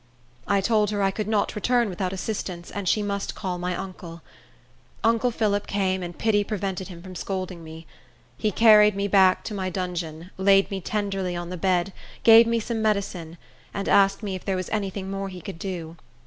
I told her I could not return without assistance, and she must call my uncle. Uncle Phillip came, and pity prevented him from scolding me. He carried me back to my dungeon, laid me tenderly on the bed, gave me some medicine, and asked me if there was any thing more he could do.